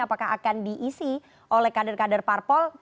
apakah akan diisi oleh kader kader parpol